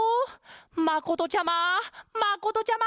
まことちゃままことちゃま！